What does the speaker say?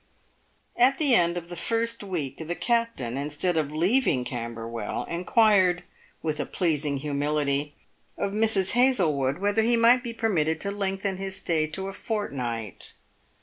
At the end of the first week the captain, instead of leaving Camber well, inquired — with a pleasing humility— of Mrs. Hazlewood whether he might be permitted to lengthen his* stay to a fortnight.